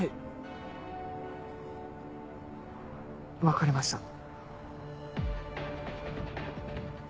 分かりました。